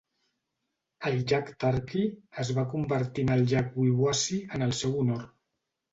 El llac Turkey es va convertir en el llac Wawasee en el seu honor.